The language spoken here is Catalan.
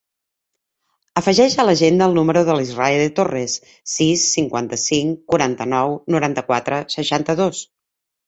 Afegeix a l'agenda el número de l'Israe De Torres: sis, cinquanta-cinc, quaranta-nou, noranta-quatre, seixanta-dos.